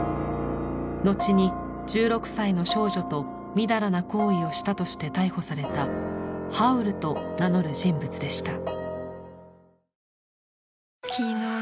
のちに１６歳の少女とみだらな行為をしたとして逮捕された「ハウル」と名乗る人物でした。